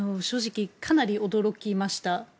正直かなり驚きました。